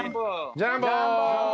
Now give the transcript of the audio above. ジャンボ！